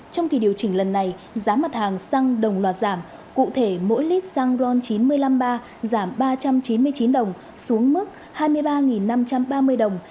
trong kỳ điều chỉnh lần này giá mặt hàng xăng đồng loạt giảm cụ thể mỗi lít xăng ron chín trăm năm mươi ba giảm ba trăm chín mươi chín đồng xuống mức hai mươi ba năm trăm ba mươi đồng